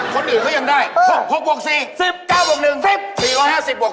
คนอื่นเขายังได้๖บวก๔๑๐